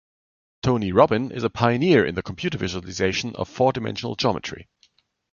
Tony Robbin is a pioneer in the computer visualization of four-dimensional geometry.